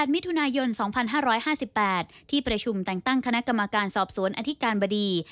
มิถุนายน๒๕๕๘ที่ประชุมแต่งตั้งคณะกรรมการสอบสวนอธิการบดี